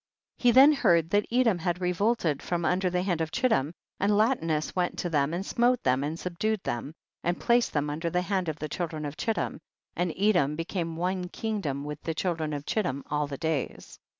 30. He then heard that Edom had revolted from under the hand of Chit tim, and Latinus went to them and smote them and subdued them, and placed them under the hand of the children of Chittim, and Edom be came one kingdom witii the children of Ciiittim all the days.